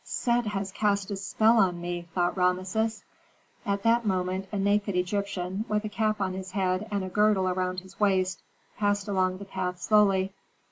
"Set has cast a spell on me," thought Rameses. At that moment a naked Egyptian, with a cap on his head and a girdle around his waist, passed along the path slowly.